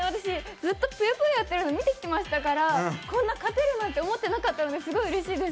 ずっと「ぷよぷよ」やってきたの見てますからこんな勝てるなんて思ってなかったんで、すごいうれしいです。